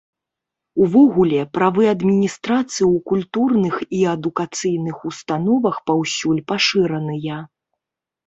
Увогуле, правы адміністрацыі ў культурных і адукацыйных установах паўсюль пашыраныя.